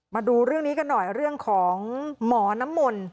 มาดูเรื่องนี้กันหน่อยเรื่องของหมอน้ำมนต์